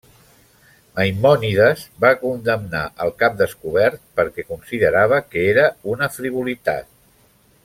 Maimònides va condemnar el cap descobert perquè considerava que era una frivolitat.